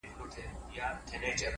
زه چـي په باندي دعوه وكړم!